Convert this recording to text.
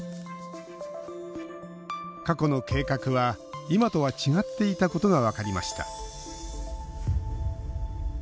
過去の計画は今とは違っていたことが分かりました